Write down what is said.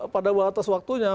pada batas waktunya